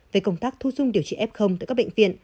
về công tác thu dung điều trị f tại các bệnh viện